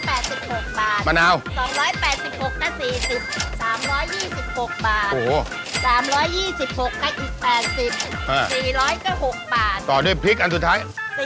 ก็๔๐๓๒๖บาทโอ้โห๓๒๖ก็อีก๘๐อ่า๔๐๐ก็๖บาทต่อด้วยพริกอันสุดท้าย